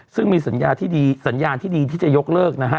ซึ่งมีสัญญาณที่ดีที่จะยกเลิกนะฮะ